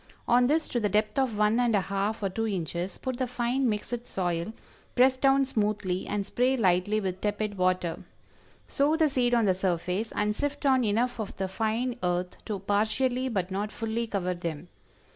On this to the depth of one and a half or two inches, put the fine mixed soil, press down smoothly and spray lightly with tepid water. Sow the seed on the surface, and sift on enough of the fine earth to partially but not fully cover them.